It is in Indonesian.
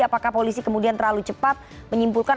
apakah polisi kemudian terlalu cepat menyimpulkan